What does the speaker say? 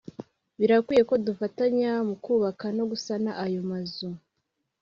birakwiye ko dufatanya mu kubaka no gusana ayo mazu